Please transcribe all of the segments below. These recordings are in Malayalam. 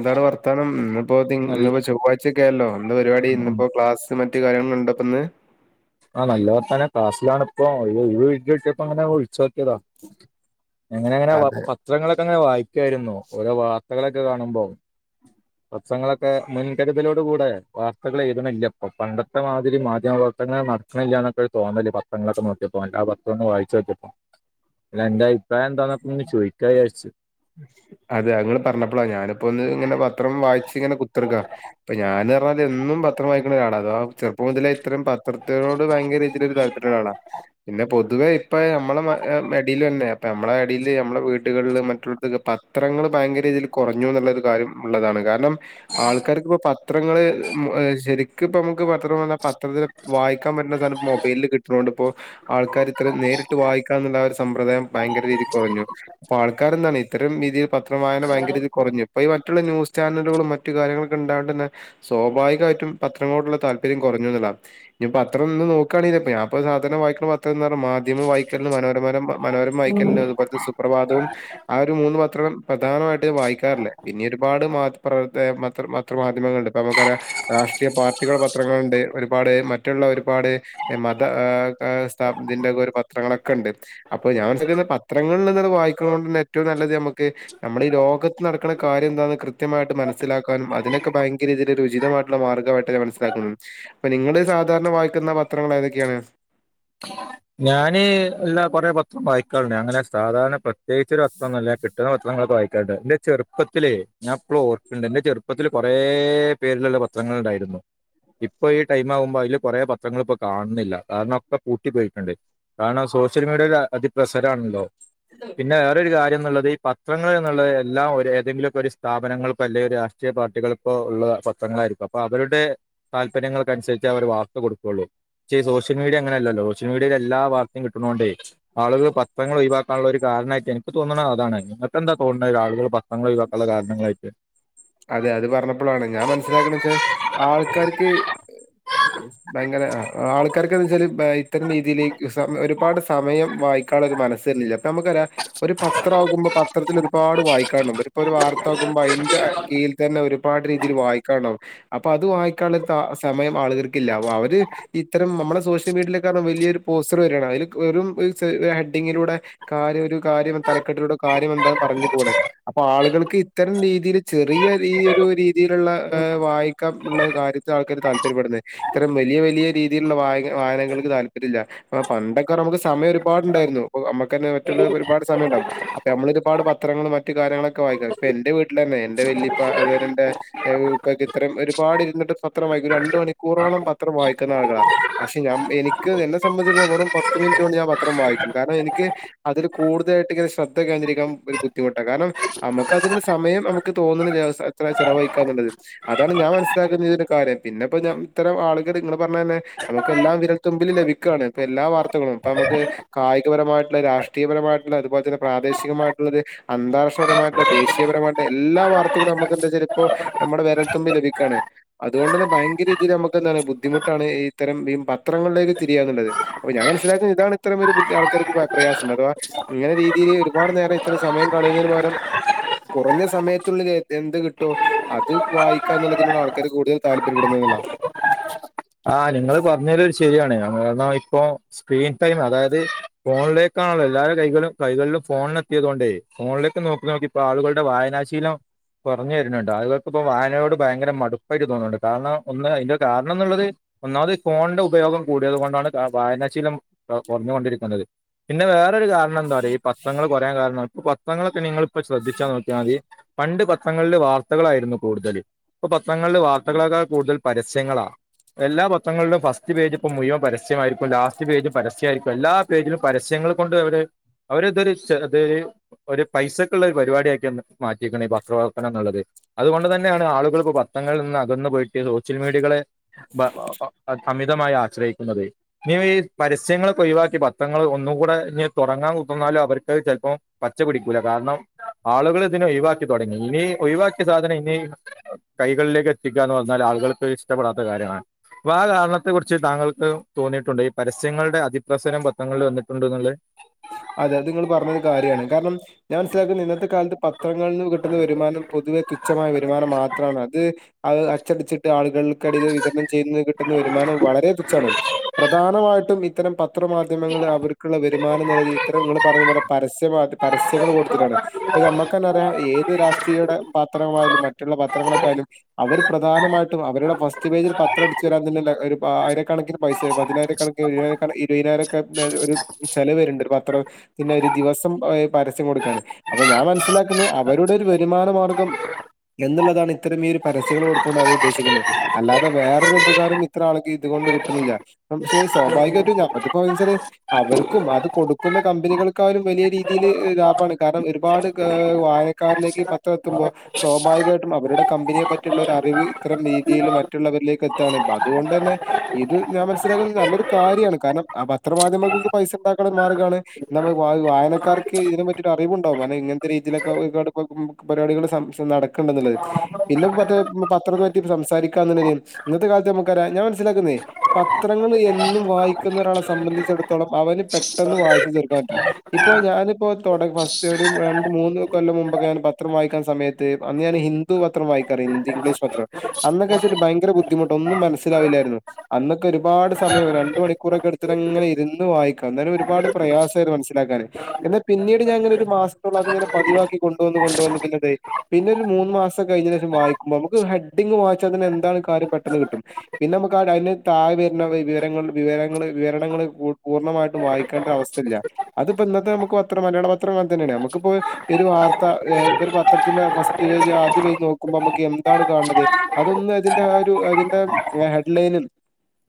അതാണ് വർത്താനം ഇന്നിപ്പോ തിങ് നല്ല ഇന്നിപ്പോ ചൊവ്വാഴ്ചൊക്കായല്ലൊ എന്ത പര്പാടി ഉം. ഇന്നിപ്പോ ക്ലാസ് മറ്റു കാര്യങ്ങളിണ്ടപ്പിന്ന് ആ നല്ലവർത്താനം ക്ലാസ്സിലാണിപ്പോ [unintelligible] ചോയ്കിതാ എങ്ങനങ്ങനെ പ അതെ. പത്രങ്ങളൊ [unintelligible] ങ്ങനെ വായ്ക്കാര്ന്നോ ഓരോ വാർത്തകളൊക്കെ കാണുമ്പോ പ്രച്ങ്ങളൊക്കെ മുൻകരുതലോടു കൂടെ വാർത്തകളേതുനില്ലപ്പോ പണ്ടത്തെ മാതിരി മാധ്യമപ്രർത്ത ഭഷ്ണില്ല്യന്നൊക്കെ ഒരു തോന്നല് പത്രങ്ങൊക്കെ നോക്കിയ്പ്പോ [unintelligible] [unintelligible] ചോയ്കാ വിയാര്ച്ചു അതെ അങ്ങള് പറഞ്ഞപ്പളാ ഞാനിപ്പോ ഒന്ന് ഇങ്ങനെ പത്രം വായ്ച് ഇങ്ങനെ കുത്തെർകാ അപ്പ ഞാന്ർഞ്ഞാലെന്നും പത്രം വായ്ക്ക്ണെരാളാ അഥവാ ചെറ്പ്പം മൊതലെ ഇത്തരം പത്രത്തിനോട് ഭയ്ങ്കര ഇതിലൊരു താല്പര്യള്ളാളാ. പിന്നെ പൊതുവെ ഇപ്പെ നമ്മളെ മ ആ മെടില്യൊന്നെ അപ്പ നമ്മളെ അടീല് നമ്മളെ വീ കുട്ടികള്ല് മറ്റു ഇതൊകെ പത്രങ്ങള് ഭയങ്കര രീതില് കൊറഞ്ഞുന്ന്ള്ളൊരു കാര്യം ഇള്ളതാണ് കാര്ണം ആൾക്കാര്ക്കിപ്പ പ പത്രങ്ങള് ശരിക്ക് ഇപ്പം മക്ക് പത്രം വന്നാ പത്രത്തില് വായിക്കാൻ പറ്റ്ന്ന സ്ഥലം മൊബൈലില് കിട്ട്ണാേണ്ട്പ്പോ ആൾക്കാര് ഇത്രേം നേരിട്ട് വായിക്കാന്ന്ള്ള ആര് സമ്പ്രദായം ഭയങ്കര രീതി കുറഞ്ഞു അപ്പൊ ആൾക്കാരെന്താണ് ഇത്തരം രീതി പത്രം വായന ഭയങ്കര രീതി കൊറഞ്ഞു ഇപ്പ വ മറ്റുള്ള ന്യൂസ് ചാനലുകളും മറ്റു കാര്യങ്ങളൊക്കെണ്ടാണ്ടെന്ന സ്വാഭാവികമായിട്ടും പത്രങ്ങളോടുള്ള താല്പര്യം കുറഞ്ഞൊന്നില്ല ഇനി പത്രംന്ന് നോക്കുകയാണെങ്ക ഞാപ്പം സാധാരണ വായിക്കുന്ന പത്രം ന്ന്പറ മാധ്യമം വായിക്കൽണ്ട് മനോരരമ് മനോര വായിക്കൽ ണ്ട് അതുപോലെത്തെ സുപ്രഭാതവും ആ ഒരു മൂന്ന് പത്രം പ്രധാനമായിട്ട് വായിക്കാറില്ല ഇനിയൊരുപാട് മാദ് പ്രവർത്തെ മത്ര മാത്രമാധ്യമങ്ങള്ണ്ട് ഇപ്പ നമുക്ക രാഷ്ട്രീയ പാർട്ടികളുടെ പത്രങ്ങളുണ്ട് ഒരുപാട് മറ്റുള്ള ഒരുപാട് മത സ്ഥാപനത്തിന്റെക്കെ ഒരു പത്രങ്ങളൊക്കെ ഉണ്ട് അപ്പൊ ഞാൻ വിചാരിക്കുന്ന പത്രങ്ങളിൽ നിന്ന് വായിക്കുന്ന കൊണ്ട് തന്നെ ഏറ്റവും നല്ലത് ഞമ്മക്ക് നമ്മളീ ലോകത്ത് നടക്ക്ണ കാര്യംന്താന്ന് കൃത്യമായിട്ട് മനസ്സിലാക്കാനും അതിനൊക്കെ ഭയങ്കര രീതിയിൽ ഉചിതമായിട്ടുള്ള മാർഗമായിട്ട് ഞാൻ മനസ്സിലാക്കുന്നു അപ്പൊ നിങ്ങള് സാധാരണ വായിക്കുന്ന പത്രങ്ങൾ ഏതൊക്കെയാണ് ഞാന് എല്ല കൊറേ പത്രം വായിക്കാറുണ്ട് അങ്ങനെ സാധാരണ പ്രത്യേകിച്ചൊരു പത്രംന്നുമല്ല കിട്ടുന്ന പത്രങ്ങളൊക്കെ വായിക്കാറുണ്ട് ന്റെ ചെർപ്പത്തിലേ ഞാൻ ഇപ്പളും ഓർക്ക്ണ്ട് ന്റെ ചെറുപ്പത്തില് കൊറേ പേരില്ള്ള പത്രങ്ങള്ണ്ടായിരുന്നു ഇപ്പൊ ഈ ടൈം ആകുമ്പോ അയ്ല് കാെറേ പത്രങ്ങള്പ്പം കാൺണില്ല കാരണം ഒക്കെ പൂട്ടിപ്പോയി കണ്ട് കാരണം സോഷ്യൽ മീഡിയയിൽ അതിപ്രസരാണല്ലോ പിന്നെ വേറൊരു കാര്യം ന്ന്ള്ളത് ഈ പത്രങ്ങള്ന്ന്ള്ളത് എല്ലാം ഒര് ഏതെങ്കിലുംക്കെ ഒരു സ്ഥാപനങ്ങൾക്കോ അല്ലേ ഒര് രാഷ്ട്രീയ പാർട്ടികൾക്കാെള്ളെ പത്രങ്ങളായിരിക്കും അപ്പൊ അവരുടെ താല്പര്യങ്ങൾക്ക് അനുസരിച്ച് അവർ വാർത്ത കൊട്ക്കള്ളു പക്ഷേ ഈ സോഷ്യൽ മീഡിയ അങ്ങനെല്ലല്ലോ ഷ്യൽ മീഡിയയില് എല്ലാ വാർത്തയും കിട്ടുന്നോണ്ടേ ആള്കള് പത്രങ്ങൾ ഒഴിവാക്കാൻള്ള ഒരു കാരണായിട്ട് എനിക്ക് തോന്ന്ണ അതാണ് നിങ്ങൾക്കെന്താ തോൺണേ ആളുകള് പത്രങ്ങൾ ഒഴിവാക്കാനുള്ള കാരണങ്ങളായിട്ട് അതെ അത് പറഞ്ഞപ്പളാണ് ഞാൻ മനസ്സിലാക്ക്ണെച്ചാ ആൾക്കാര്ക്ക് ഭയങ്കര ആൾക്കാർക്കെന്തച്ചാല് ബയ് ഇത്തരം രീതിയിലേക്ക് സ ഒരുപാട് സമയം വായിക്കാൻള്ള ഒരു മനസ്സര്ണ്ല്ല പ്പൊ നമുക്കറിയ ഒരു പത്രാകുമ്പോ പത്രത്തിലൊരുപാട് വായിക്കാണ്ടാവും വരിപ്പൊ ഒരു വാർത്ത ആക്കുമ്പോ അയ്ന്റെ കീയിൽ തന്നെ ഒരുപാട് രീതിയിൽ വായിക്കാണ്ടാവും അപ്പൊ അത് വായിക്കാൻള്ള ത ഒര് സമയം ആളുകൾക്കില്ല അ അവര് ഇത്തരം നമ്മടെ സോഷ്യൽ മീഡിയൽക്കെർഞ്ഞ വലിയൊരു പോസ്റ്ററ് വരാണ് അതില് വെറും ഒര് ഹെഡിങ്ങിലൂടെ കാര്യം ഒരു കാര്യം തലക്കെട്ടിലൂടെ കാര്യം എന്താ പറഞ്ഞ് പോവാണ് അപ്പൊ ആള്കള് ഇത്തരം രീതിയില് ചെറിയ രീ ഒരീ രീതിയിലുള്ള വായിക്കം ള്ള കാര്യത്തിൽ ആൾക്കാര് താല്പര്യപ്പെട്ന്നെ ഇത്തരം വലിയ വലിയ രീതിയിൽള്ള വ വായനങ്ങൾക്ക് താല്പര്യല്ല അപ്പ പണ്ടൊക്കെ നമുക്ക് സമയം ഒരുപാടുണ്ടായിരുന്നു പ്പ അമ്മ മറ്റുള്ളവർ ഒരുപാട് സമയണ്ടാവും അപ്പൊ നമ്മളിത്പ്പാണ്ട് പ പത്രങ്ങളും മറ്റു കാര്യങ്ങളൊക്കെ വായിക്കാം പ്പ എന്റെ വീട്ടിലെന്നെ എ വല്ലിപ്പ അത് പോലെന്റെ ഉപ്പക്ക് ഇത്തരം ഒരുപാട് ഇരുന്നിട്ട് പത്രം വായിക്കും രണ്ട് മണിക്കൂറോളം പത്രം വായിക്കുന്ന ആളുകളാ പക്ഷെ ഞാൻ എനിക്ക് എന്നെ സംബന്ധിച്ചിടത്തോളം പത്ത് മിനിറ്റ് കൊണ്ട് ഞാൻ പത്രം വായിക്കും കാരണം എനിക്ക് അതിൽ കൂടുതലായിട്ട് ഇങ്ങനെ ശ്രദ്ധ കേന്ദ്രരിക്കാൻ ഒരു ബുദ്ധിമുട്ടാ കാരണം അമക്ക്തിനാെര് സമയം നമു ക്ക് തോന്ന്ണ്ല്ല എത്ര ചെലവഴിക്കാന്ന്ള്ളത് അതാണ് ഞാൻ മനസ്സിലാക്കുന്ന ഇതിന്റെ കാര്യം പിന്നെപ്പോ ഞാ ഇത്തരം ആളുകള് ഇങ്ങള് പറഞ്ഞെന്നെ നമുക്ക് എല്ലാം വിരൽത്തുമ്പിൽ ലഭിക്കാണ് ഇപ്പൊ എല്ലാ വാർത്തകളും ഇപ്പൊ നമ്മക്ക് കായികപരമായിട്ടുള്ള രാഷ്ട്രീയപരമായിട്ടുള്ള അതുപോലെ തന്നെ പ്രാദേശികമായിട്ടുള്ള ഒരു അന്താരാഷ്ട്രപരമായിട്ടുള്ള ദേശീയപരമായിട്ടുള്ള എല്ലാ വാർത്തകളും നമുക്കെന്താച്ചാല് ഇപ്പ നമ്മടെ വെരൽ തുമ്പി ലഭിക്കാണ് അതുകൊണ്ട് തന്നെ ഭയങ്കരീതിൽ നമുക്കെന്താണ് ബുദ്ധിമുട്ടാണ് ഇത്തരം ഈ പത്രങ്ങളിലേക്ക് തിരിയാന്ന്ള്ളത് അപ്പ ഞാൻ മനസ്സിലാക്കുന്നെ ഇതാണ് ഇത്തരം ഒരു ബുദ്ധി ആൾക്കാർക്ക് പ്രയാസം അഥവാ ഇങ്ങനെ രീതിൽ ഒരുപാട് നേരം ഇത്ര സമയം കളയുന്നതിന് പകരം കുറഞ്ഞ സ സമയത്തുള്ളിലെ തെന്ത് കിട്ടോ അത് വായിക്കാന്ന്ള്ളതിനോട് ആൾക്കാര് കൂടുതൽ താല്പര്യപ്പെടുന്നത് ന്ന്ള്ള ആ ഇങ്ങള് പറഞ്ഞേല് ശരിയാണ് ആ ഇപ്പോ സ്ക്രീൻ ടൈം അതായത് ഫോണിലേക്കാണല്ല എല്ലാരും കൈകളും കൈകളിലും ഫോണിലെത്തിയതോണ്ടേ ഫോണിലേക്ക് നോക്കി നാേക്കി ഇപ്പ ആളുകൾടെ വായനാശീലം കുറഞ്ഞു വരുന്നുണ്ട് ആളുകൾക്ക്പ്പ വായനയോട് ഭയങ്കര മടുപ്പായിട്ട് തോന്നുന്നുണ്ട് കാരണം ഒന്ന് അയ്ന്റെ കാരണംന്നുള്ളത് ഒന്നാമത് ഫോൺന്റെ ഉപയോഗം കൂടിയത് കൊണ്ടാണ് ദാ വായനാശീലം കൊറഞ്ഞ് കൊണ്ടിരിക്കുന്നത് പിന്നെ വേറൊരു കാര എന്താ പറയാ ഈ പത്രങ്ങള് കുറയാൻ കാരണം പ്പം പത്രങ്ങളൊക്കെ നിങ്ങള് പ്പ ശ്രദ്ധിച്ചാ നോക്കിയാൽ മതി പണ്ട് പ പത്രങ്ങളില് വാർത്തകളായിരുന്നു കൂടുതല് ഇപ്പൊ പത്രങ്ങൾല് വാർത്തകളക്കാൾ കൂട്തല് പരസ്യങ്ങളാ എല്ലാ പത്രങ്ങളിലും ഫസ്റ്റ് പേജ് ഇപ്പ മുഴുവൻ പരസ്യമായിരിക്കും ലാസ്റ്റ് പേജും പരസ്യമായിയിരിക്കും എല്ലാ പേജിലും പരസ്യങ്ങൾ കൊണ്ട് അവര് അവര്തൊരുരു [unintelligible] ഒരു പൈസക്കുള്ള ഒരു പരിപാട്യാക്കി മാറ്റിക്ക്ണ് ഈ പത്രവർപ്പനംന്ന്ള്ളത് അതുകൊണ്ട് തന്നെയാണ് ആളുകളിപ്പോ പത്രങ്ങളിൽ നിന്ന് അകന്ന് പോയിട്ട് സോഷ്യൽ മീഡിയകളെ അ അ അമിതമായി ആശ്രയിക്കുന്നത് ഇനി ഈ പരസ്യങ്ങൾക്ക് ഒഴിവാക്കി പത്രങ്ങൾ ഒന്നും കൂടെ ഇനി തുടങ്ങാൻ കുത്തർന്നാലും അവർക്ക് അത് ചെലപ്പോം പച്ച പിടിക്കൂല്ല കാരണം ആളുകൾ ഇതിനെ ഒഴിവാക്കി തുടങ്ങി ഇനി ഒഴിവാക്കിയ സാധനം ഇനി കൈകളിലേക്ക് എത്തിക്കുക എന്ന് പറഞ്ഞാൽ ആളുകൾക്ക് ഇഷ്ടപ്പെടാ കാര്യമാണ് അപ്പൊ ആ കാരണത്തെ കുറിച്ച് താങ്കൾക്ക് തോന്നിയിട്ടുണ്ട് ഈ പരസ്യങ്ങളുടെ അതിപ്രസരം പത്രങ്ങളിൽ വന്നിട്ടുണ്ട്ന്ന്ള്ളെ അതെ അത്ങ്ങള് പറഞ്ഞത് കാര്യാണ് കാര്ണം ഞാൻ മൻസ്സിലാക്കുന്നെ ഇന്നത്തെ കാലത്ത് പത്രങ്ങളിൽന്ന് കിട്ടുന്ന വരുമാനം പൊതുവെ തുച്ഛമായ വരുമാനം മാത്രാണ് അത് അത് അച്ചടിച്ചിട്ട് ആളുകൾക്കിടയിൽ വിതരണം ചെയ്യുന്നത് കിട്ടുന്ന വരുമാനം വളരെ തുച്ഛാണ് പ്രധാനമായിട്ടും ഇത്തരം പ പത്രമാധ്യമങ്ങൾ അവർക്ക്ള്ള പ്പാട് നിറഞ്ഞ ഇത്തരം ങ്ങള് പറഞ്ഞ പോലെ പരസ്യ പരസ്യങ്ങൾ കൊടുത്തിട്ടാണ് ഇപ്പ മ്മക്കന്നറിയാം ഏത് രാഷ്ട്രീയുടെ പാ പത്രയാലും മറ്റുള്ള പത്രങ്ങളെക്കായാലും അവര് പ്രധാനമായിട്ടും അവരുടെ ഫസ്റ്റ് പേജിൽ പത്രം അടിച്ചു വരാൻ തന്ന ഒരു ആയിരക്കണക്കിനും പൈസ പതിനായിരക്കണക്കിന് ഇരുപതിനായി രൊക്കെ ഒരു ചെിലവരുണ്ട് ഒരു പത്ര പിന്നെ ഒരു ദിവസം പരസ്യം കൊടുക്കാണ് അപ്പൊ ഞാൻ മനസ്സിലാക്കുന്നത് അവരുടെ ഒരു വരുമാന മാർഗം എന്നുള്ളതാണ് ഇത്രം ഇ ഒരു പരസ്യങ്ങൾ കൊടുക്കൊണ്ട് ഉദ്ദേശിക്കുന്നത് അല്ലാതെ വേറൊരു ഉപകാരം ഇത്ര ആൾക്ക് ഇത് കൊണ്ട് കിട്ടുന്നില്ല പക്ഷെ സ്വാഭാവികമായിട്ടും ഞമ്മക്ക് അതിപ്പോ ച്ചാല് അവർക്കും അത് കൊടുക്കുന്ന കമ്പനികൾക്കായാലും വലിയ രീതിയിൽ ലാഭമാണ് കാരണം ഒരുപാട് വായനക്കാരിലേക്ക് പത്രം എത്തുമ്പോൾ സ്വാഭാവികമായിട്ടും അവരുടെ കമ്പനിയെ പറ്റിയുള്ള അറിവ് ഇത്തരം രീതിയിൽ മറ്റുള്ളവരിലേക്ക് എത്തുകയാണ് അതുകൊണ്ട് തന്നെ ഇത് ഞാൻ മനസ്സിലാക്കുന്നത് നല്ലൊരു കാര്യമാണ് കാരണം ആ പത്രമാധ്യമങ്ങ പൈസ ഉണ്ടാക്കാനുള്ള മാർഗാണ് നമ്മള് വായനക്കാർക്ക് ഇതിനെ പറ്റി ഒരു അറിവുണ്ടാവും അെ ഇങ്ങനത്തെ രീതിയിലൊക്കെ പരിപാടികൾ നടക്കണ്ട എന്നുള്ളത് പിന്നെ മറ്റേ പത്രത്തെ പറ്റി സംസാരിക്കാുള്ള ഇന്നത്തെ കാലത്ത് നമുക്കറിയാം ഞാൻ മനസ്സിലാക്കുന്നേ പത്രങ്ങൾ എന്നും വായിക്കുന്ന ഒരാളെ സംബന്ധിച്ചട തോളം അവന് പെട്ടെന്ന് വായിച്ച് തീർക്കാൻ പറ്റും ഇപ്പോൊ ഞാനിപ്പോ തുട ഫസ്റ്റ് ഒരു രണ്ട് മൂന്ന് കൊല്ലം മുമ്പൊക്കെ ഞൻ പത്രം വായിക്കാൻ സമയത്ത് അന്ന് ഞാൻ ഹിന്ദി പത്രം വായിക്കാറ് ഹിന്ദി ഇംഗ്ലീഷ് പത്രം അന്നൊക്കെ വെച്ചാൽ ഭയങ്കര ബുദ്ധിമുട്ട് ഒന്നും മനസ്സിലാവില്ലായിരുന്നു അന്നൊക്കെ ഒരുപാട് സമയം രണ്ട് മണിക്കൂറൊക്കെ എടുത്തിങ്ങനെ ഇരുന്ന് വായിക്കാം എന്ന ഒരുപാട് പ്രയാസംമായിത് മനസ്സിലാക്കാന് എന്നാ പിന്നീട് ഞാൻ ഇങ്ങനെ ഒരു മാസത്തോം അത്ങ്ങനെ പതിവാക്കി കൊണ്ടുവന്ന് കൊണ്ടുവന്നിെ പിന്നെ ഒരു മൂന്ന് മാസം കഴിഞ്ഞ ശേഷം വായിക്കുമ്പോ നമുക്ക് ഹെഡിങ്ങ് വായിച്ച അതിന് എന്താണ് കാര്യം പെട്ടെന്ന് കിട്ടും പിന്നെ നമുക്ക് അ താെ വരുന്ന വിവരങ്ങള് വിവരങ്ങള് വിവരണങ്ങള് പൂർണ്ണമായിട്ടും വായിക്കേണ്ട ഒരു അവസ്ഥയില്ല അതിപ്പോ ഇന്നത്തെ നമുക്ക് പത്രം മലയാള പത്രം തന്നെയാണ് നമുക്കിപ്പോ ഒരു വാർത്ത ഒരു പത്രത്തിന്റെ ഫസ്റ്റ് പേജ് ആദ്യ പേജ് നോക്കുമ്പോ നമുക്ക് എന്താണ് കാണത് അതൊന്ന് അതിന്റെ ഒരു അതിന്റെ ഹെഡ്ലൈനി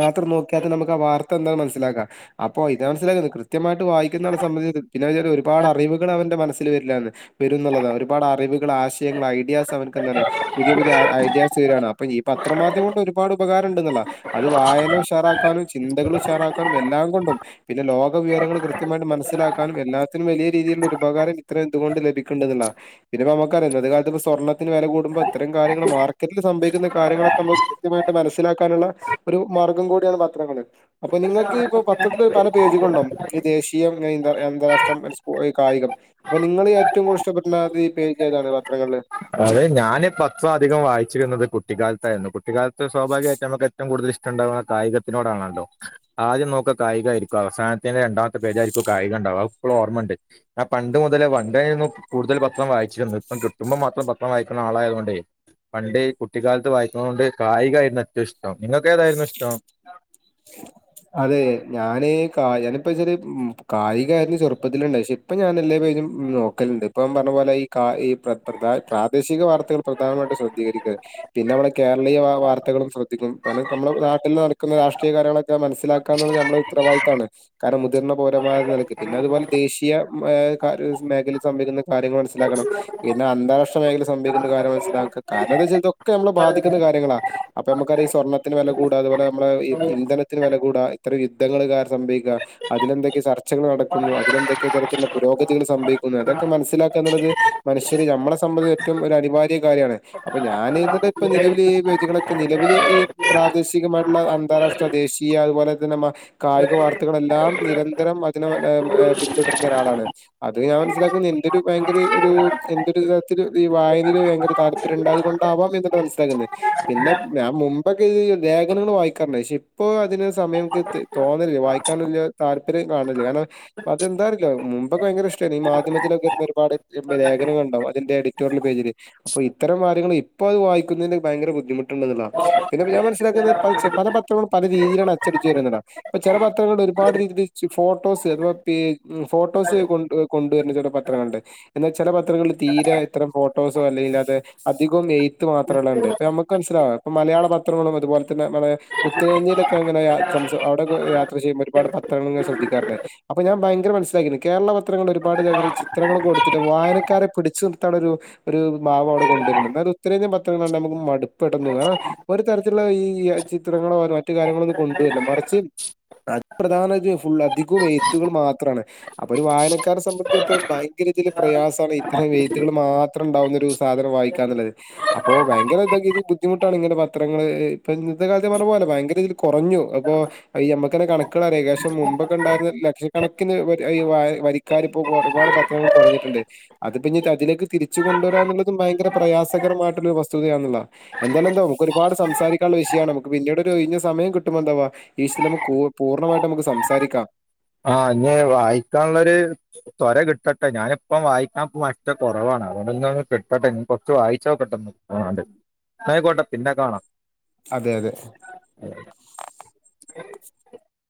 മാത്രം നോക്കിയാത്തന്നെ നമുക്ക് ആ വാർത്ത എന്താെന്ന് മനസ്സിലാക്കാം അപ്പോ ഇതാ മനസ്സിലായേത് കൃത്യമായിട്ട് വായിക്ക്ന്നാളെ [unintelligible] പിന്നെ വല്ല്യൊരു ഒരുപാട് അറിവുകളവന്റെ മനസ്സില് വരില്ലായെന്ന് വരുംന്നുള്ളതാ ഒരുപാട് അറിവുകള്, ആശയങ്ങൾ, ഐഡിയാസ്, അവൻക്കന്താണ് പുതിയ പുതിയ ഐ ഐഡിയാസ് വരാണ് അപ്പൊ ഈ പത്രമാധ്യം കൊണ്ട് ഒരുപാട് ഉപകാരം ഇണ്ട്ന്നല്ല അത് വായന ഉഷാറാക്കാനും ചിന്തകള് ഉഷാറാക്കാനും എല്ലാം കൊ പ്പം പിന്നെ ലോക വിവരങ്ങള് കൃത്യമായിട്ട് മനസ്സിലാക്കാനും എല്ലാത്തിനും വലിയ രീതിയില്ള്ള ഒരു ഉപകാരം ഇത്ര എന്തുകൊണ്ട് ലഭിക്ക്ണ്ട്ന്ന്ള്ളാ. പിന്നെ ഇപ്പ നമ്മക്കറിയാ ഇന്നത്തെ കാലത്ത് സ്വർണത്തിന് വെല കൂടുമ്പോ ഇത്തരം കാര്യങ്ങള് മാർക്കറ്റില് സംഭവിക്ക്ന്ന കാര്യങ്ങളൊക്കെ നമ്മക്ക് കൃത്യമായിട്ട് മനസ്സിലാക്കാനുള്ള ഒരു മാർഗം കൂടിയാണ് പത്രങ്ങള്. അപ്പൊ നിങ്ങക്ക് ഈപ്പം പ ത്രത്തില് പല പേജുകള്ണ്ടാവും. ഇതില് ദേശീയം അയ് എന്താർയാം അന്താരാഷ്ട്രം [unintelligible] കായികം അപ്പൊ നിങ്ങള് ഏറ്റവും കൂട്തല് ഇഷ്ടപ്പെട്ന്നാത് ഈ പേജ് ഏതാണ് പത്രങ്ങള്ലെ അതെ ഞാന് പത്രം അധികം വായിച്ചിരുന്നത് കുട്ടിക്കാ ത്തായിരുന്നു കുട്ടിക്കാല് ത്ത് സൗഭാഗ്യ ആയിട്ട് നമ്മക്ക് ഏറ്റവും കൂടുതല് ഇഷ് ഇഷ്ടണ്ടാവാ കായികത്തിനോടാണല്ലോ. ആദ്യം നോക്കാ കായിക ആയിരിക്കും അവസാനത്തേന് രണ്ടാമത്തെ പേജായിരിക്കും കായികണ്ടാവാ. അഹ് ഇപ്പളും ഓർമണ്ട് ആ പണ്ട് മുതലെ പണ്ടേന്നു കൂടുതല് പത്രം വായിച്ച്ര്ന്നെ ഇപ്പം കിട്ടുമ്പം മാത്രം പ ഇപ്പം വായിക്ക്ണെ ആളായതുകൊണ്ടേ പണ്ടേ കുട്ടിക്കാലത്ത് വായിക്ക്ന്നത് കൊണ്ട് കായികായിരുന്നു ഏറ്റവും ഇഷ്ടം നിങ്ങള് ക്കേതായിരുന്നു ഇഷ്ടം അതെ ഞാന് ഈ കായന ഇപ്പൊയിച്ചാല് ഉം കായികായിരുന്നു ചെറുപ്പത്തില്ള്ളെ ക്ഷെ ഇപ്പ ഞാന് എല്ലാ പേജും ഉം നോക്കല്ണ്ട് ഇപ്പൊ പറഞ്ഞ പോലെ ഈ കായ് പ്രത്തർദാൻ പ്രാദേശിക വാർത്തകൾ പ്രധാനമായിട്ട് ശ്രദ്ധീകരിക്കെ പിന്നെ അവടെ കേരളീയ വാ വാർത്തകളും ശ്രദ്ധിക്കും. ഇപ്പന്നെ ഇപ്പമ്മളെ നാട്ടിൽ നടക്കുന്ന രാഷ്ട്രീയ കാര്യങ്ങളൊക്കെ മനസ്സിലാക്കാന്നതില് നമ്മളെ ഉത്തരവായിത്താണ്. കാരണം മുതിർന്ന പൗരമാര്ന്ന നെലക്ക്. പിന്നെ അതുപോലെ ദേശീയ ഉം ഏ ക്കരുസ് മേഖലെ സംഭവിക്കുന്ന കാര്യങ്ങൾ മനസ്സിലാക്കണം. പിന്നെ അന്താരാഷ്ട്ര മേഖലെ സംഭവിക്കേണ്ട കാര്യങ്ങൾ മനസ്സിലാക്ക കാരണം എന്താച്ചാല് ഇതൊക്കെ നമ്മളെ ബാധിക്ക്ന്ന കാര്യങ്ങളാ. അപ്പൊ നമ്മക്കറിയാ സ്വർണ്ണ ത്തിന്‌ വെല കൂടാ അതുപോലെ നമ്മളെ ഇ ഇന്ധനത്തിന് വെല കൂടാ ഇത്തര യുദ്ധങ്ങള് കാരണം സംഭയിക്കാ അതിലെന്തൊക്കെ ചർച്ചകള് നടക്കുന്നു അതിലെന്തൊക്കെ തരത്തിലുള്ള പുരോഗതികൾ സംഭവിക്കുന്നു അതൊക്കെ മനസ്സിലാക്കാ എന്നുള്ളത് മനുഷ്യര് നമ്മളെ സംബന്ധി ഏറ്റവും ഒരു അനിവാര്യ കാര്യാണ് അപ്പൊ ഞാന് ഇന്ന് ഇപ്പ നിലവില് ഈ പേജ്കളൊക്കെ നിലവില് ഈ പ്രാദേശികമായിട്ട്ള്ള അന്താരാഷ്ട്ര ദേശീയ അതുപോലെ തന്നെ മ കായിക വാർത്തകളെല്ലാം നിരന്തരം അതിനെ പൊലെ ഏ ഏ പിന്തുടര്ന്ന ഒരാളാണ്. അത് ഞാൻ മനസ്സിലാക്ക്ന്നെ എന്തൊരു ഭയങ്കര ഒരു എന്തൊരു തത്തില് ഈ വായനേല് ഭയങ്കര താല്പര്യം ഇണ്ടായത് കൊണ്ടാവാം എന്ന്ട്ട് മനസ്സിലാക്ക്ന്നെ പിന്നെ ഞാൻ മു ഇപ്പൊക്കെ ഈ ലേഖനങ്ങള് വായിക്കാറ്ണ്ടേയ്നി പക്ഷെ ഇപ്പൊ അതിന് സമയം ക്ക് ത് തോന്നലില്ലാ വായിക്കാന്ല്ലെ താല്പര്യം കാണേല്ല കാരണം അഹ് അതെന്താറില്ല മുമ്പൊക്കെ ഭയങ്കര ഇഷ്ടേനി ഈ മാധ്യമത്തിലൊക്കെര്ന്ന ഒരുപാട് ഈ ലേഖനങ്ങള്ണ്ടാവും അതിന്റെ എഡിറ്റോറിയൽ പേജില് അപ്പൊ ഇത്തരം വാര്യങ്ങള് ഇപ്പൊ അത് വായിക്കുന്നേന് ഭയങ്കര ബുദ്ധിമുട്ട്ണ്ട്ന്ന്ള്ളതാ പിന്നെ ഞാൻ മനസ്സിലാക്കുന്നത് പല പത്രങ്ങളും പല രീതിയിലാണ് അച്ചടിച്ച് വരുന്ന ഇപ്പ ചെല പത്രങ്ങളൾ ഒരുപാട് രീതിൽ ഫോട്ടോസ് അഥവാ ഫോട്ടോസ് കൊ കൊണ്ടുവരുന്ന ചില പത്രങ്ങളണ്ട് എന്നാൽ ചില പത്രങ്ങളിൽ തീരെ ഇത്തരം ഫോട്ടോസോ അല്ലങ്കിൽ അത് അധികവും എയ്ത്ത് മാത്രമേ ഉണ്ട് ഇപ്പ നമുക്ക് മനസ്സിലാവുക ഇപ്പം മലയാള പത്രങ്ങളും അതുപോലെ തന്നെ നമ്മളെ ഉത്തരേന്ത്യയിലൊക്കെ അങ്ങനെ സം അവിടെ യാത്ര ചെയുമ്പോ ഒരുപാട് പത്രങ്ങളും ഞാൻ ശ്രദ്ധിക്കാറുണ്ട് അപ്പൊ ഞാൻ ഭയങ്കര മനസ്സിലാക്കുന്നു കേരള പത്രൾ ഒരുപാട് ചിത്രങ്ങൾ കൊടുത്തിട്ടും വായനക്കാരെ പിടിച്ചു നിർത്താന ഒരു ഒരു ഭാവം അവിടെ കണ്ടുവരുന്നുണ്ട് എന്നാലും ഉത്തരേന്ത്യൻ പത്രങ്ങള നമുക്ക് മടുപ്പ് ഇല്ല ഒരു തരത്തിലുള്ള ഈ ചിത്രങ്ങളോ മറ്റു കാര്യങ്ങളോ ഒന്നും കൊണ്ടുവരില്ല മറിച്ച് പ്രധാന ഫുൾ അധികവും എഴ്ത്തുകൾ മാത്രമാണ് അപ്പൊ ഒരു വായനക്കാരെ സംബന്ധിച്ചിടത്തോളം ഭയങ്കര രീതിൽ പ്രയാസമാണ് ഇത്രയും എഴ്ത്തുകൾ മാത്രം ഉണ്ടാവുന്നൊ ഒരു സാധനം വായിക്കാ എന്നുള്ളത് അപ്പോൾ ഭയങ്കര ബുദ്ധിമുട്ടാണ് ഇങ്ങനെ പത്രങ്ങള് ഇപ്പൊ ഇന്നത്തെ കാലത്ത് പറഞ്ഞു പോലോ ഭയങ്കര ഇതിൽ കുറഞ്ഞു അപ്പൊ നമ്മുക്ക് തന്നെ കണക്കുകളൾറിയേഷം മുമ്പൊക്കെ ഉണ്ടായിരുന്ന ലക്ഷക്കണക്കിന് വരിക്കാരി ഇപ്പോ ഒരുപാട് പത്രങ്ങൾ കുറഞ്ഞിട്ടുണ്ട് അത് ഇനി പ്പ അതിലേക്ക് തിരിച്ചു കൊണ്ടുവരാ എന്നുള്ളതും ഭയങ്കര പ്രയാസകരമായിട്ടുള്ളരു വസ്തുതയാണുള്ള എന്താലുംന്തോ ഒരുപാട് സംസാരിക്കാനുള്ള വിഷയമാണ് നമക്ക് പിന്നീട് ഒരു ഒയിഞ്ഞ സമയം കിട്ടി മ്പോ എന്തവാ ഈ നമുക്ക് പൂർണ്ണമായിട്ട് നമുക്ക് സംസാരിക്കാം ആഹ് [unintelligible] വായിക്കാനുള്ളരു വര കി ട്ടട്ടെ ഞാനിപ്പം വായിക്കാൻ ഇഷ്ടം കുറവാണ് അതോന്ന ഒന്ന് കിട്ടട്ടെ ഇ കുറച്ച് വായിച്ചോ ട്ടന്ന് ആ അതെ ആയ്ക്കോട്ടെ പിന്നെ കാണാം അതെ അതെ